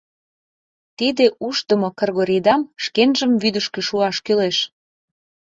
Тиде ушдымо Кыргорийдам шкенжым вӱдышкӧ шуаш кӱлеш!